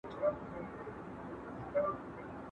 ¬ اغزى د گل د رويه اوبېږي.